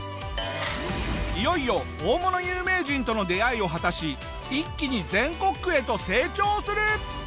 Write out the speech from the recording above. いよいよ大物有名人との出会いを果たし一気に全国区へと成長する！